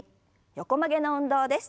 横曲げの運動です。